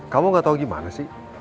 kamu gak tau gimana sih